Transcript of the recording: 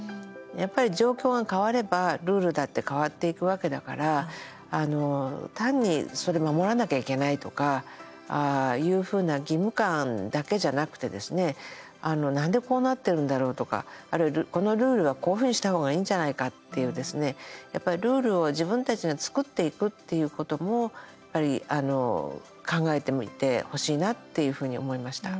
やっぱり、状況が変わればルールだって変わっていくわけだから単にそれ守らなきゃいけないとかいうふうな義務感だけじゃなくてなんでこうなってるんだろうとかあるいは、このルールはこういうふうにした方がいいんじゃないかっていうやっぱりルールを自分たちで作っていくっていうことも考えてみてほしいなというふうに思いました。